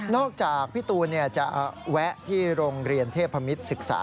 จากพี่ตูนจะแวะที่โรงเรียนเทพมิตรศึกษา